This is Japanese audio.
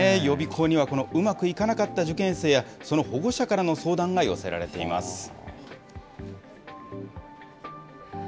予備校にはうまくいかなかった受験生や、その保護者からの相談が寄せられています。